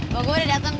tuh gue udah dateng